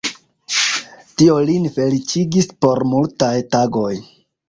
Tio lin feliĉigis por multaj tagoj.